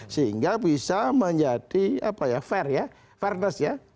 sehingga bisa menjadi fairness ya